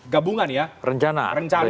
gabungan ya rencana